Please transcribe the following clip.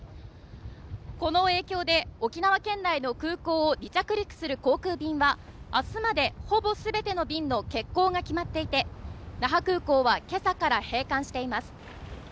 この影響で沖縄県内の空港を離着陸する航空便はあすまでほぼすべての便の欠航が決まっていて那覇空港はけさから閉館しています